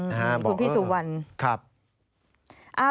คุณพี่สุวรรณ